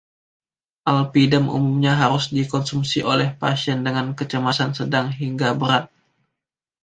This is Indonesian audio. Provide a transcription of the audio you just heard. Alpidem umumnya harus dikonsumsi oleh pasien dengan kecemasan sedang hingga berat.